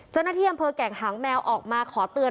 เจ้าหน้าที่องค์โขางแข็งแหางแมวออกมาขอเตือน